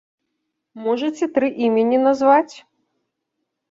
Можаце тры імені назваць?